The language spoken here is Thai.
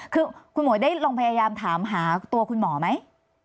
คือคุณหวยได้ลองพยายามถามหาตัวคุณหมอไหม